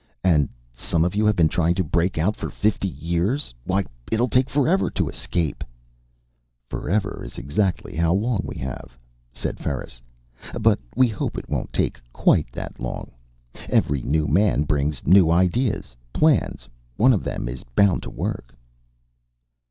"And some of you have been trying to break out for fifty years? Why, it'll take forever to escape!" "Forever is exactly how long we have," said Ferris. "But we hope it won't take quite that long. Every new man brings new ideas, plans. One of them is bound to work."